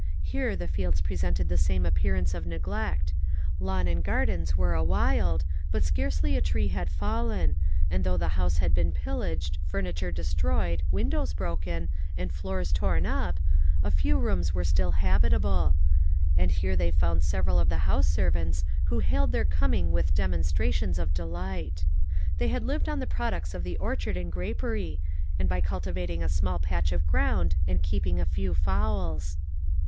Here the fields presented the same appearance of neglect; lawn and gardens were a wild, but scarcely a tree had fallen, and though the house had been pillaged, furniture destroyed, windows broken, and floors torn up, a few rooms were still habitable; and here they found several of the house servants, who hailed their coming with demonstrations of delight. They had lived on the products of the orchard and grapery, and by cultivating a small patch of ground and keeping a few fowls.